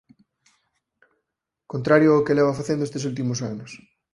Contrario ao que leva facendo estes últimos anos